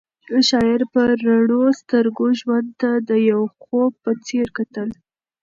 شاعر په رڼو سترګو ژوند ته د یو خوب په څېر کتل.